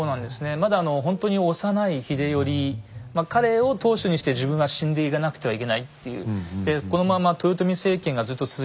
まあ彼を当主にして自分は死んでいかなくてはいけないっていう。